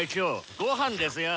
ご飯ですよ。